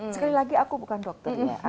sekali lagi aku bukan dokter ya